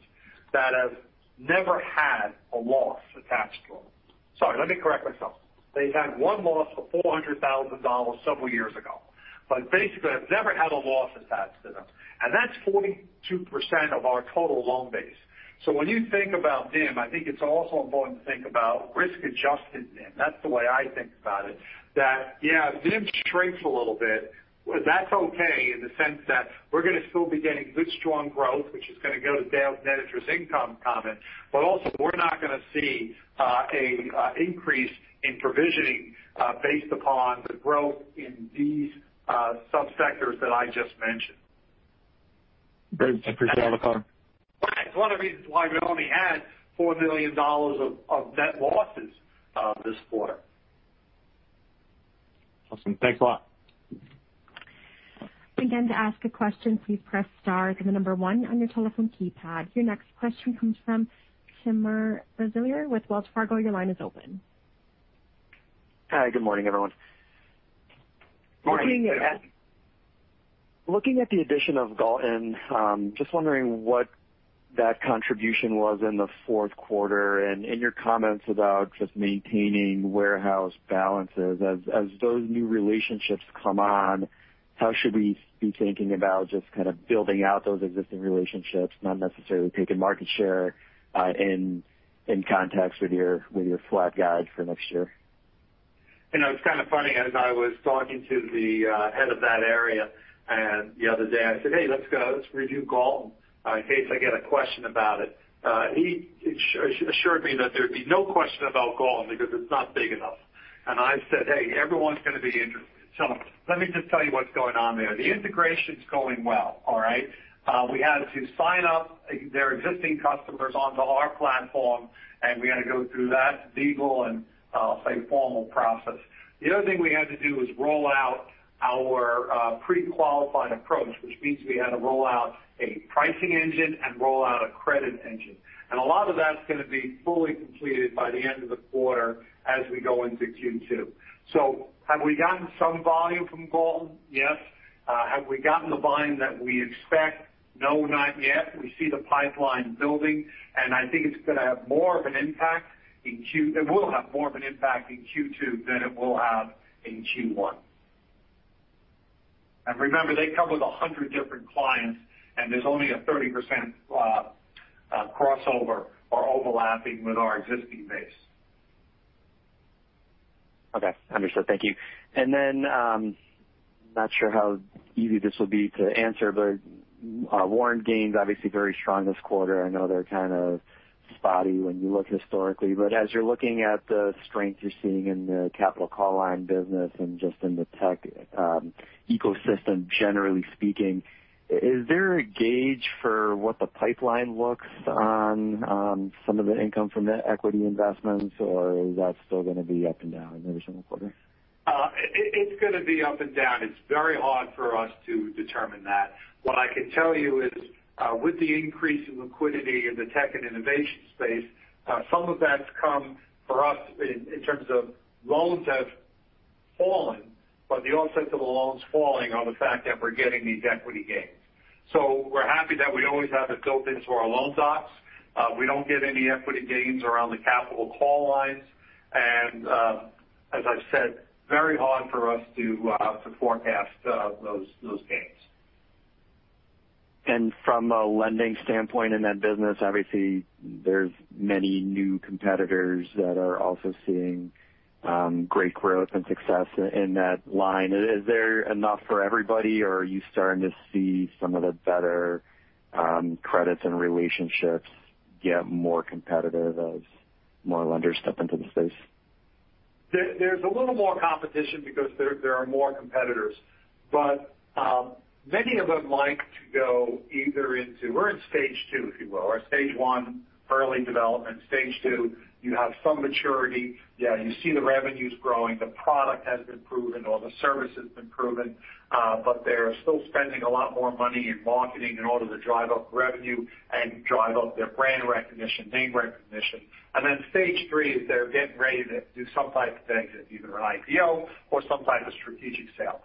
that have never had a loss attached to them. Sorry, let me correct myself. They've had one loss of $400,000 several years ago. Basically have never had a loss attached to them. That's 42% of our total loan base. When you think about NIM, I think it's also important to think about risk-adjusted NIM. That's the way I think about it. NIM shrinks a little bit. That's okay in the sense that we're going to still be getting good, strong growth, which is going to go to Dale's net interest income comment. We're not going to see an increase in provisioning based upon the growth in these subsectors that I just mentioned. Great. I appreciate all the color. Right. It's one of the reasons why we only had $4 million of net losses this quarter. Awesome. Thanks a lot. Your next question comes from Timur Braziler with Wells Fargo. Your line is open. Hi. Good morning, everyone. Morning. Good morning. Looking at the addition of Galton, just wondering what that contribution was in the fourth quarter and in your comments about just maintaining warehouse balances. As those new relationships come on, how should we be thinking about just kind of building out those existing relationships, not necessarily taking market share in context with your flat guide for next year? It's kind of funny, as I was talking to the head of that area the other day I said, "Hey, let's go. Let's review Galton," in case I get a question about it. He assured me that there'd be no question about Galton because it's not big enough. I said, "Hey, everyone's going to be interested." Let me just tell you what's going on there. The integration's going well. We had to sign up their existing customers onto our platform, and we had to go through that legal and, I'll say, formal process. The other thing we had to do was roll out our pre-qualifying approach, which means we had to roll out a pricing engine and roll out a credit engine. A lot of that's going to be fully completed by the end of the quarter as we go into Q2. Have we gotten some volume from Galton? Yes. Have we gotten the volume that we expect? No, not yet. We see the pipeline building, and I think it's going to have more of an impact in Q2 than it will have in Q1. Remember, they come with 100 different clients, and there's only a 30% crossover or overlapping with our existing base. Okay, understood. Thank you. I'm not sure how easy this will be to answer, but warrant gains obviously very strong this quarter. I know they're kind of spotty when you look historically. As you're looking at the strength you're seeing in the capital call line business and just in the tech ecosystem, generally speaking, is there a gauge for what the pipeline looks on some of the income from the equity investments, or is that still going to be up and down every single quarter? It's going to be up and down. It's very hard for us to determine that. What I can tell you is, with the increase in liquidity in the tech and innovation space, some of that's come for us in terms of loans have fallen, but the offset to the loans falling are the fact that we're getting these equity gains. We're happy that we always have it built into our loan docs. We don't get any equity gains around the capital call lines. As I've said, very hard for us to forecast those gains. From a lending standpoint in that business, obviously, there's many new competitors that are also seeing great growth and success in that line. Is there enough for everybody, or are you starting to see some of the better credits and relationships get more competitive as more lenders step into the space? There's a little more competition because there are more competitors. Many of them like to go either into stage 2, if you will, or stage 1, early development. Stage 2, you have some maturity. You see the revenues growing. The product has been proven, or the service has been proven. They're still spending a lot more money in marketing in order to drive up revenue and drive up their brand recognition, name recognition. Stage 3 is they're getting ready to do some type of exit, either an IPO or some type of strategic sale.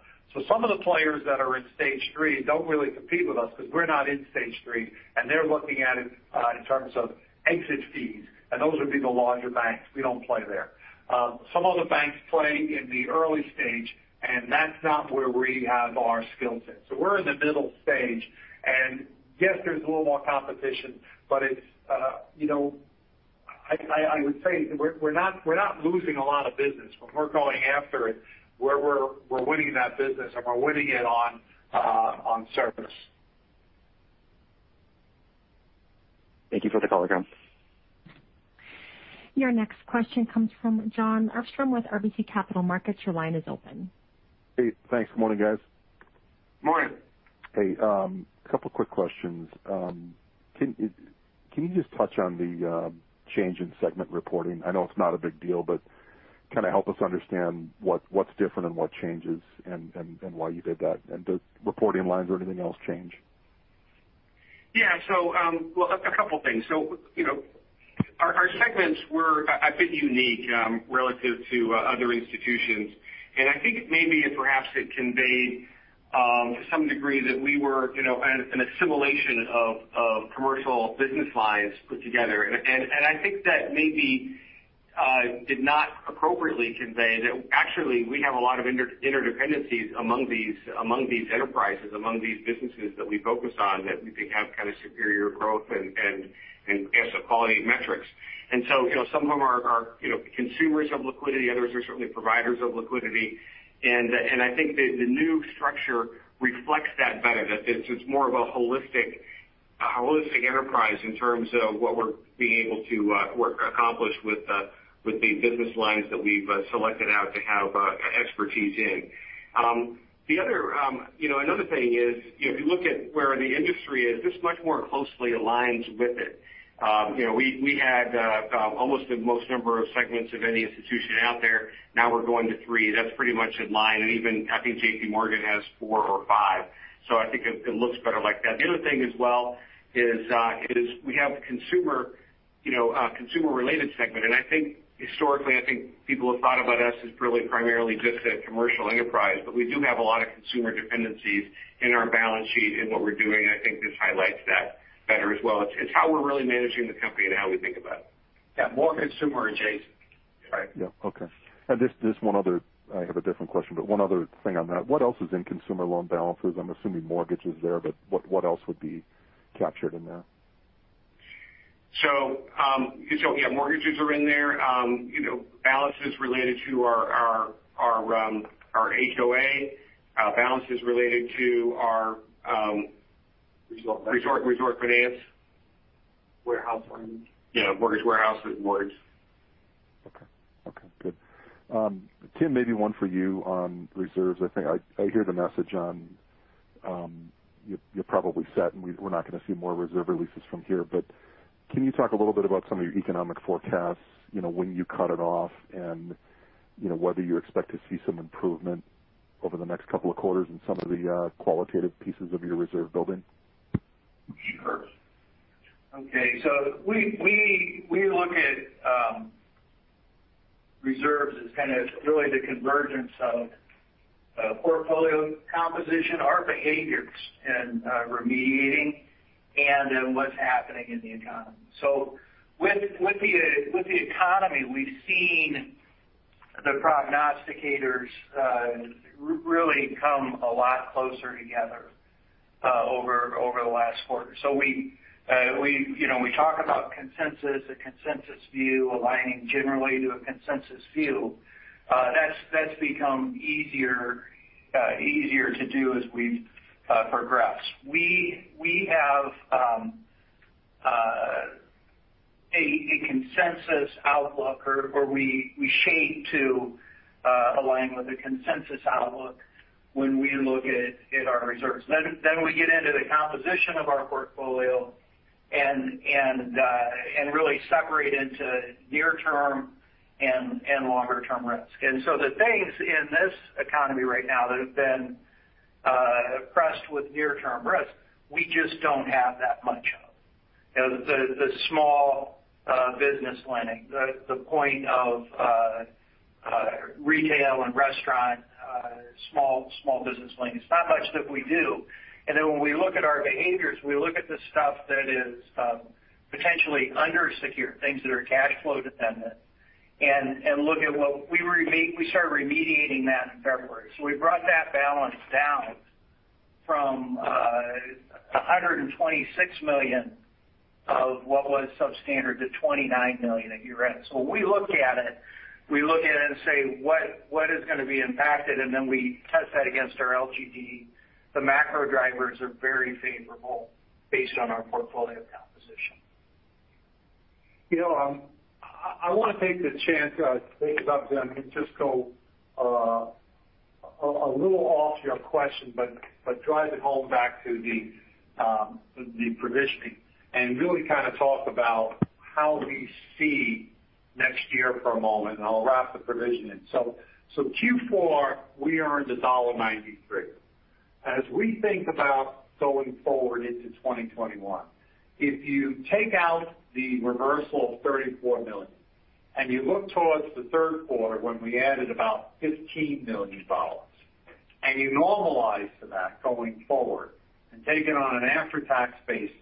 Some of the players that are in stage 3 don't really compete with us because we're not in stage 3, and they're looking at it in terms of exit fees, and those would be the larger banks. We don't play there. Some of the banks play in the early stage, and that's not where we have our skill set. We're in the middle stage. Yes, there's a little more competition, but I would say we're not losing a lot of business. When we're going after it, we're winning that business, and we're winning it on service. Thank you for the color, guys. Your next question comes from Jon Arfstrom with RBC Capital Markets. Your line is open. Hey, thanks. Good morning, guys. Morning. Hey, couple quick questions. Can you just touch on the change in segment reporting? I know it's not a big deal, but kind of help us understand what's different and what changes and why you did that. Do reporting lines or anything else change? Yeah. Well, two things. Our segments were a bit unique relative to other institutions. I think maybe perhaps it conveyed to some degree that we were an assimilation of commercial business lines put together. I think that maybe did not appropriately convey that actually, we have a lot of interdependencies among these enterprises, among these businesses that we focus on, that we think have kind of superior growth and asset quality metrics. Some of them are consumers of liquidity. Others are certainly providers of liquidity. I think the new structure reflects that better, that it's more of a holistic enterprise in terms of what we're being able to accomplish with the business lines that we've selected out to have expertise in. Another thing is, if you look at where the industry is, this much more closely aligns with it. We had almost the most number of segments of any institution out there. We're going to three. That's pretty much in line. Even I think JPMorgan has four or five. I think it looks better like that. The other thing as well is we have a consumer-related segment. Historically, I think people have thought about us as really primarily just a commercial enterprise. We do have a lot of consumer dependencies in our balance sheet and what we're doing. I think this highlights that better as well. It's how we're really managing the company and how we think about it. Yeah. More consumer adjacent. Yeah. Okay. Just one other, I have a different question, but one other thing on that. What else is in consumer loan balances? I am assuming mortgage is there, but what else would be captured in that? Yeah, mortgages are in there. Balances related to our HOA. Resort lending Resort finance. Warehouse lending. Yeah, mortgage warehouse as it was. Okay, good. Tim, maybe one for you on reserves. I think I hear the message on you're probably set, and we're not going to see more reserve releases from here. Can you talk a little bit about some of your economic forecasts, when you cut it off, and whether you expect to see some improvement over the next couple of quarters in some of the qualitative pieces of your reserve building? Sure. Okay. We look at reserves as kind of really the convergence of portfolio composition, our behaviors, and remediating and then what's happening in the economy. With the economy, we've seen the prognosticators really come a lot closer together over the last quarter. We talk about consensus, a consensus view aligning generally to a consensus view. That's become easier to do as we've progressed. We have a consensus outlook or we shade to align with a consensus outlook when we look at our reserves. We get into the composition of our portfolio and really separate into near-term and longer-term risk. The things in this economy right now that have been oppressed with near-term risk, we just don't have that much of. The small business lending, the point of retail and restaurant small business lending is not much that we do. When we look at our behaviors, we look at the stuff that is potentially under-secured, things that are cash flow dependent. We started remediating that in February. We brought that balance down from $126 million of what was substandard to $29 million at year-end. We look at it and say, "What is going to be impacted?" We test that against our LGD. The macro drivers are very favorable based on our portfolio composition. I want to take the chance to take it up, then just go a little off your question, but drive it home back to the provisioning, and really kind of talk about how we see next year for a moment, and I'll wrap the provisioning. Q4, we earned $1.93. As we think about going forward into 2021, if you take out the reversal of $34 million, and you look towards the third quarter when we added about $15 million, and you normalize for that going forward and take it on an after-tax basis,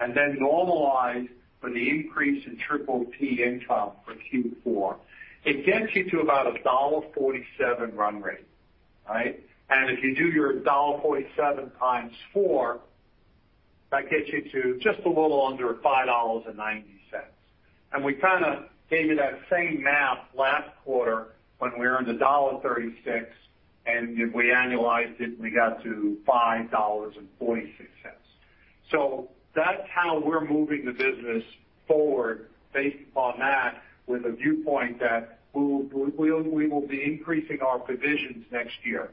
and then normalize for the increase in TTT income for Q4, it gets you to about $1.47 run rate, right? If you do your $1.47 times four, that gets you to just a little under $5.90. We kind of gave you that same math last quarter when we earned $1.36, and if we annualized it, we got to $5.46. That's how we're moving the business forward based upon that with a viewpoint that we will be increasing our provisions next year.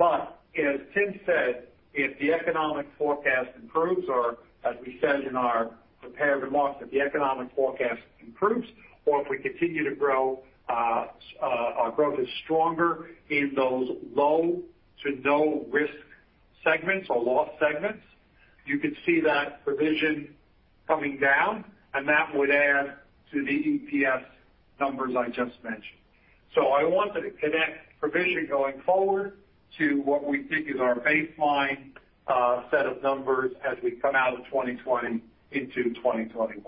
As Tim said, if the economic forecast improves or as we said in our prepared remarks, if the economic forecast improves or if we continue to grow, our growth is stronger in those low to no risk segments or loss segments, you could see that provision coming down, and that would add to the EPS numbers I just mentioned. I wanted to connect provision going forward to what we think is our baseline set of numbers as we come out of 2020 into 2021.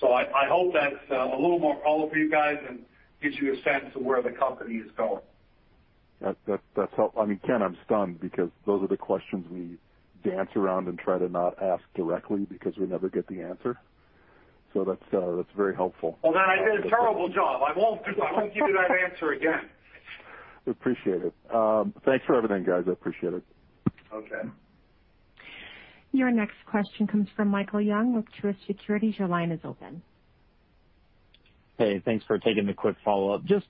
I hope that's a little more color for you guys and gives you a sense of where the company is going. That's helpful. I mean, Ken, I'm stunned because those are the questions we dance around and try to not ask directly because we never get the answer. That's very helpful. Well, I did a terrible job. I won't give you that answer again. Appreciate it. Thanks for everything, guys. I appreciate it. Okay. Your next question comes from Michael Young with Truist Securities. Your line is open. Hey, thanks for taking the quick follow-up. Just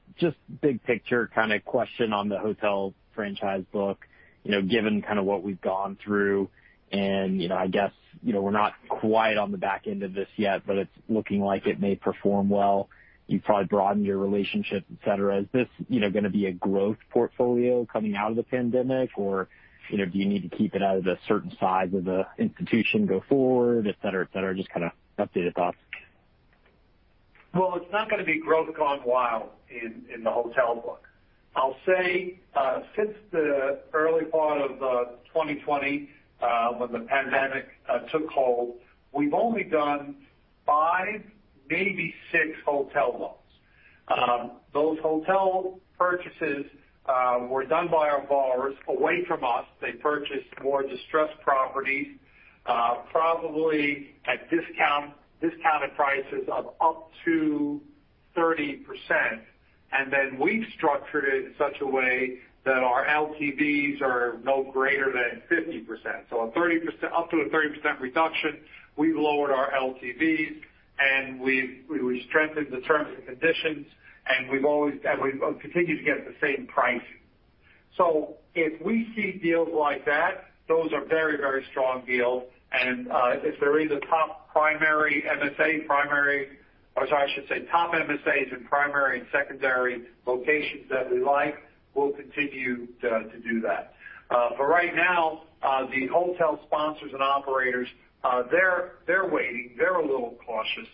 big picture kind of question on the hotel franchise book. Given kind of what we've gone through and I guess we're not quite on the back end of this yet, but it's looking like it may perform well. You've probably broadened your relationships, et cetera. Is this going to be a growth portfolio coming out of the pandemic? Do you need to keep it out of the certain size of the institution go forward, et cetera? Just kind of updated thoughts. Well, it's not going to be growth gone wild in the hotel book. I'll say since the early part of 2020 when the pandemic took hold, we've only done five, maybe six hotel loans. Those hotel purchases were done by our borrowers away from us. They purchased more distressed properties, probably at discounted prices of up to 30%. We've structured it in such a way that our LTVs are no greater than 50%. Up to a 30% reduction, we've lowered our LTVs, and we strengthened the terms and conditions, and we've continued to get the same price. If we see deals like that, those are very strong deals. If there is a top MSAs in primary and secondary locations that we like, we'll continue to do that. Right now, the hotel sponsors and operators, they're waiting. They're a little cautious.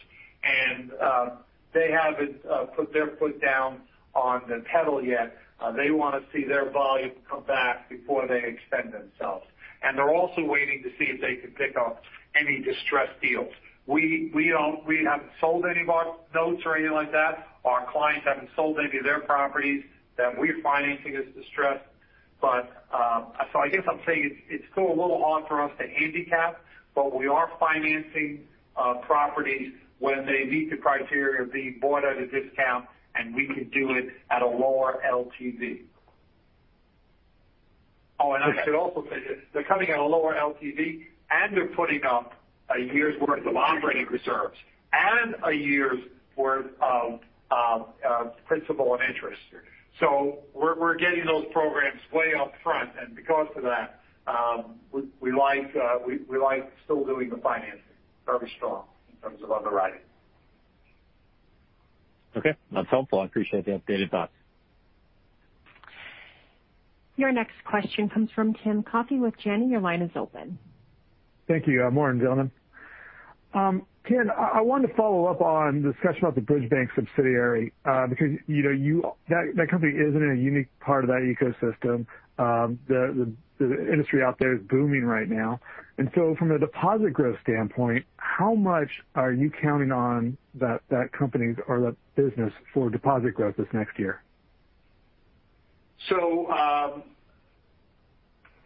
They haven't put their foot down on the pedal yet. They want to see their volume come back before they extend themselves. They're also waiting to see if they can pick up any distressed deals. We haven't sold any of our notes or anything like that. Our clients haven't sold any of their properties that we're financing as distressed. I guess I'm saying it's still a little hard for us to handicap, but we are financing properties when they meet the criteria of being bought at a discount, and we can do it at a lower LTV. Okay. I should also say this, they're coming at a lower LTV, and they're putting up a year's worth of operating reserves and a year's worth of principal and interest. We're getting those programs way upfront. Because of that, we like still doing the financing very strong in terms of underwriting. Okay. That's helpful. I appreciate the updated thoughts. Your next question comes from Tim Coffey with Janney. Your line is open. Thank you. Morning, gentlemen. Ken, I wanted to follow up on the discussion about the Bridge Bank subsidiary because that company is in a unique part of that ecosystem. The industry out there is booming right now. From a deposit growth standpoint, how much are you counting on that company or that business for deposit growth this next year?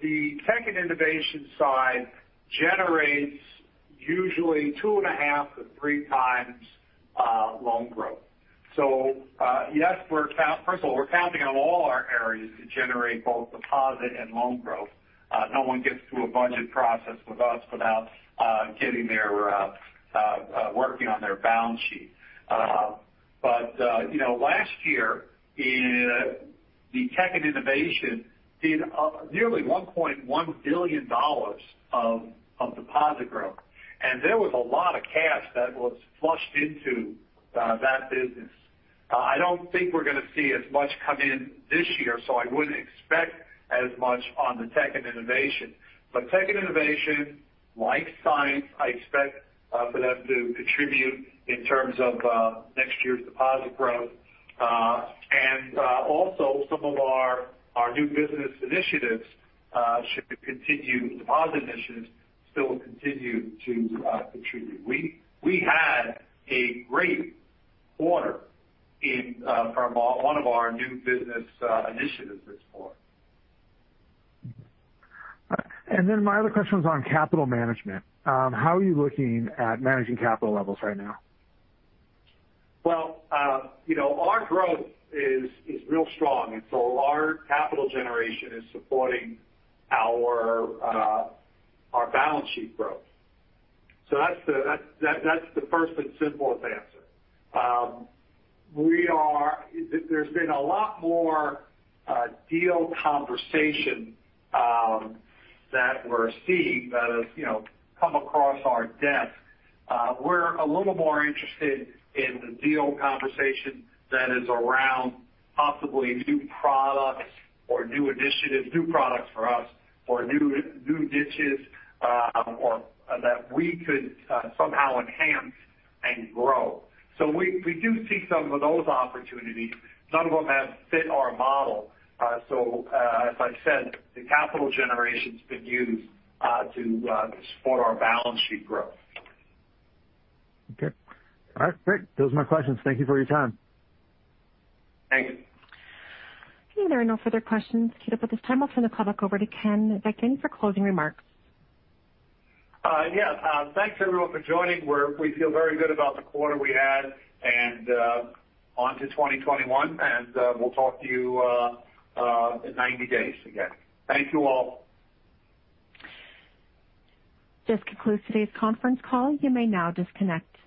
The Tech and Innovation side generates usually two and a half to three times loan growth. Yes, first of all, we're counting on all our areas to generate both deposit and loan growth. No one gets through a budget process with us without working on their balance sheet. Last year, the Tech and Innovation did nearly $1.1 billion of deposit growth. And there was a lot of cash that was flushed into that business. I don't think we're going to see as much come in this year, so I wouldn't expect as much on the Tech and Innovation. Tech and Innovation, like science, I expect for them to contribute in terms of next year's deposit growth. And also some of our new business initiatives should continue deposit initiatives, still continue to contribute. We had a great quarter in one of our new business initiatives this quarter. My other question was on capital management. How are you looking at managing capital levels right now? Well, our growth is real strong. Our capital generation is supporting our balance sheet growth. That's the first and simplest answer. There's been a lot more deal conversation that we're seeing that has come across our desk. We're a little more interested in the deal conversation that is around possibly new products or new initiatives, new products for us or new niches that we could somehow enhance and grow. We do see some of those opportunities. None of them have fit our model. As I said, the capital generation's been used to support our balance sheet growth. Okay. All right, great. Those are my questions. Thank you for your time. Thank you. There are no further questions queued up at this time. I'll turn the call back over to Ken Vecchione for closing remarks. Yes. Thanks everyone for joining. We feel very good about the quarter we had and on to 2021, and we'll talk to you in 90 days again. Thank you all. This concludes today's conference call. You may now disconnect.